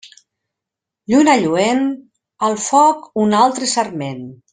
Lluna lluent, al foc un altre sarment.